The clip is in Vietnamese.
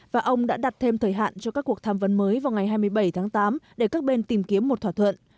và ông đã đặt thêm thời hạn cho các cuộc tham vấn mới vào ngày hai mươi bảy tháng tám để các bên tìm kiếm một thỏa thuận